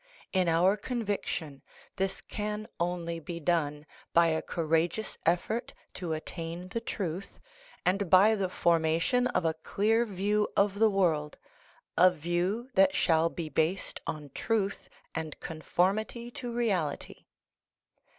In our conviction this can only be done by a courageous effort to attain the truth, and by the formation of a clear view of the world a view that shall be based on truth and conformity to reality.